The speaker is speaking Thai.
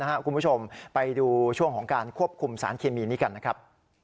คุณผู้ชมไปดูช่วงของการควบคุมสารเคมีนี้กันนะครับ